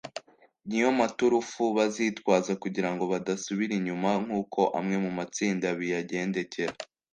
niyo maturufu bazitwaza kugira ngo badasubira inyuma nkuko amwe mu matsinda biyagendekera